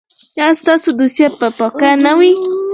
ایا ستاسو دوسیه به پاکه نه وي؟